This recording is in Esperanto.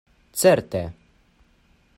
Certe!